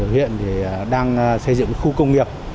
hiện thì đang xây dựng khu công nghiệp